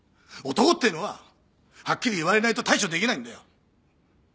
男ってのははっきり言われないと対処できないんだよ。